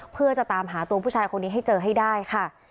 เพื่อจะตามหาตัวผู้ชายคนนี้ให้เจอให้ได้ค่ะ